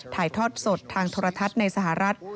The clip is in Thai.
ไภทอดสดทางทรธฤษฐในสหรัฐ